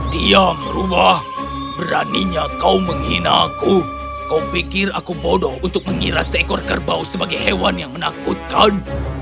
dia merubah beraninya kau menghinaku kau pikir aku bodoh untuk mengira seekor kerbau sebagai hewan yang menakutkan